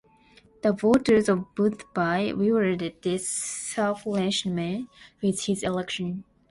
The voters of Boothby rewarded this selflessness with his election.